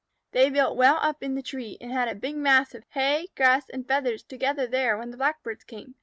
They built well up in the tree, and had a big mass of hay, grass, and feathers together there when the Blackbirds came.